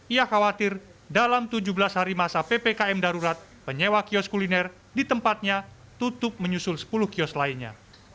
ia khawatir dalam tujuh belas hari masa ppkm darurat penyewa kios kuliner di tempatnya tutup menyusul sepuluh kios lainnya